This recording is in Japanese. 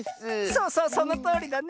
そうそうそのとおりだね。